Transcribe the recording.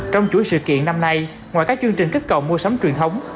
trong chuỗi sự kiện năm nay ngoài các chương trình kích cầu mua sắm truyền thống